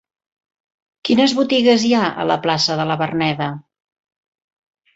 Quines botigues hi ha a la plaça de la Verneda?